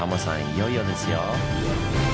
いよいよですよ。